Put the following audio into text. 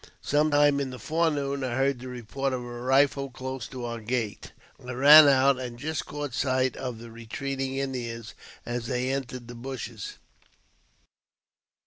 Some time in the forenoon I heard the report of rifle close to our gate, I ran out, and just caught sight of th retreating Indians as they entered the bushes.